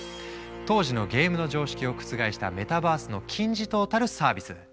当時のゲームの常識を覆したメタバースの金字塔たるサービス。